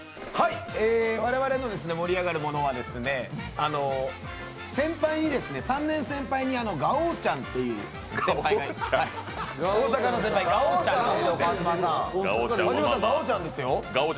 我々の盛り上がるものは３年先輩にガオちゃんという大阪の先輩・ガオちゃんですよ。